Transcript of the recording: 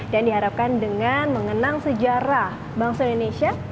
dan diharapkan dengan mengenang sejarah bangsa indonesia